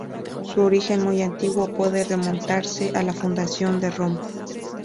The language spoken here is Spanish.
Su origen, muy antiguo, puede remontarse a la fundación de Roma.